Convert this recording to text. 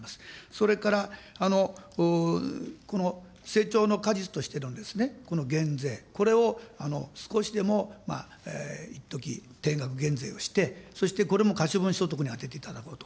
それから、この成長の果実としてのですね、この減税、これを少しでもいっとき、定額減税をして、そしてこれも可処分所得に充てていただこうと。